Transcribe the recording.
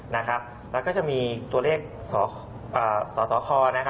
แล้วก็จะมีตัวเลขสสค